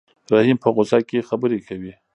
رحیم په غوسه کې خبرې کوي.